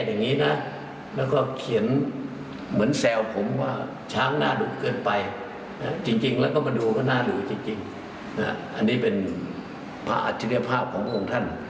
อันนี้เป็นภาพอัจจิริยภาพขององค์ท่าน